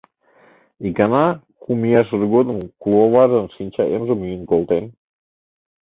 Икана, кум ияшыж годым куваважын шинча эмжым йӱын колтен.